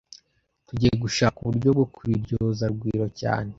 Tugiye gushaka uburyo bwo kubiryoza Rugwiro cyane